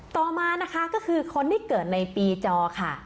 ต่อมานะคะก็คือคนที่เกิดในปีจอค่ะ